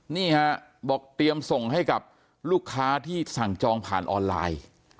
นี่ฮะบอกเตรียมส่งให้กับลูกค้าที่สั่งจองผ่านออนไลน์